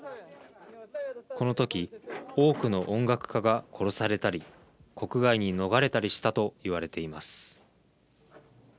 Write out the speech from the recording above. このとき多くの音楽家が殺されたり国外に逃れたりしたといわれています。